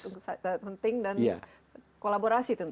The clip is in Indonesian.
untuk satu hal penting dan kolaborasi tentu saja